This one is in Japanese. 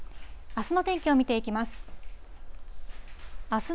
あすの天気を見ていきます。